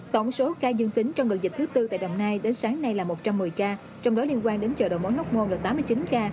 tổng số ca dương tính trong đợt dịch thứ tư tại đồng nai đến sáng nay là một trăm một mươi ca trong đó liên quan đến chợ đầu mối ngóc môn là tám mươi chín ca